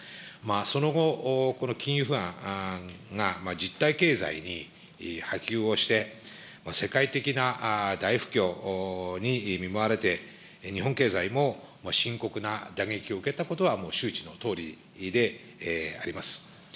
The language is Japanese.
その後、この金融不安が実体経済に波及をして、世界的な大不況に見舞われて、日本経済も深刻な打撃を受けたことは、もう周知のとおりであります。